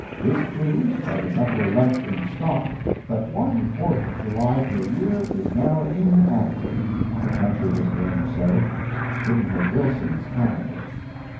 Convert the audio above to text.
This proves, by the number left in stock, that one Fourth of July per year is now inadequate, the country has grown so. Pudd'nhead Wilson's Calendar.